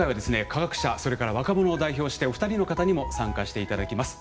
科学者それから若者を代表してお二人の方にも参加していただきます。